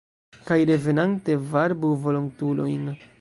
Kaj revenante varbu volontulojn!